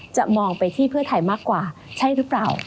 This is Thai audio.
มองไปที่เพื่อไทยมากกว่าใช่หรือเปล่า